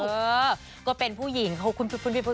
เออก็เป็นผู้หญิงค่ะ